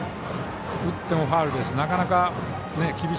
打ってもファウルです。